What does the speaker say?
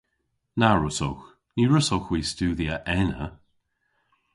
Na wrussowgh. Ny wrussowgh hwi studhya ena.